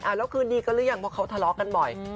แล้วคืนดีกันหรือยังเพราะเขาทะเลาะกันบ่อย